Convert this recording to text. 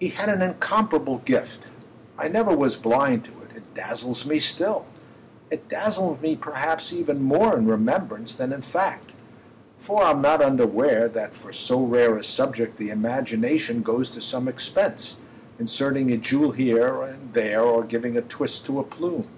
He had an incomparable gift; I never was blind to it—it dazzles me still. It dazzles me perhaps even more in remembrance than in fact, for I'm not unaware that for so rare a subject the imagination goes to some expense, inserting a jewel here and there or giving a twist to a plume.